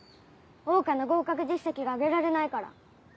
桜花の合格実績が上げられないから。